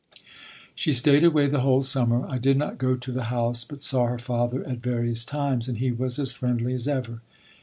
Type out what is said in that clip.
She stayed away the whole summer. I did not go to the house, but saw her father at various times, and he was as friendly as ever.